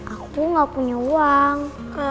aku gak punya uang